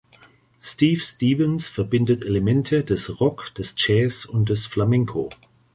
Steve Stevens verbindet Elemente des Rock, des Jazz und des Flamenco.